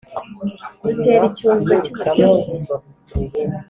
Rutera icyunzwe cy'uburyohe.